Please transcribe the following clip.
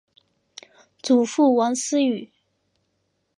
祖父王思与。